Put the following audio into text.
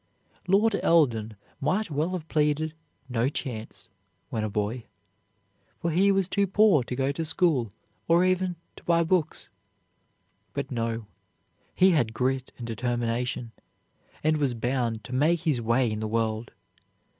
Lord Eldon might well have pleaded "no chance" when a boy, for he was too poor to go to school or even to buy books. But no; he had grit and determination, and was bound to make his way in the world.